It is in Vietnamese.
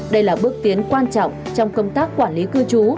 đây là bước tiến quan trọng trong công tác quản lý cư trú